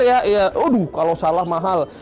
bener ya udah kalau salah mahal